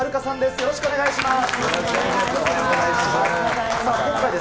よろしくお願いします。